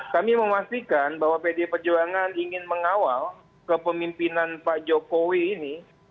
kami memastikan bahwa pdi perjuangan ingin mengawal kepemimpinan pak jokowi ini